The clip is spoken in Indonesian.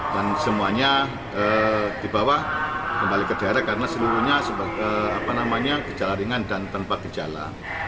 dan semuanya dibawa kembali ke daerah karena seluruhnya gejala ringan dan tanpa gejala